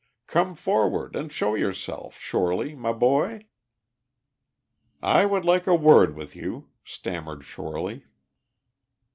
Come forward, and show yourself, Shorely, my boy." "I would like a word with you," stammered Shorely.